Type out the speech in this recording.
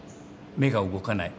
目が動かない。